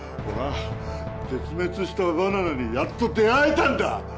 俺は絶滅したバナナにやっと出会えたんだ！